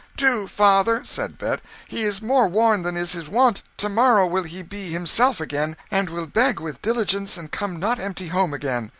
"Do, father," said Bet; "he is more worn than is his wont. To morrow will he be himself again, and will beg with diligence, and come not empty home again."